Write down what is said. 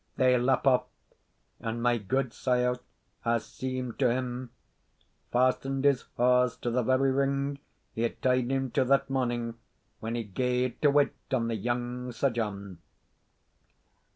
They lap off, and my gudesire, as seemed to him, fastened his horse to the very ring he had tied him to that morning when he gaed to wait on the young Sir John.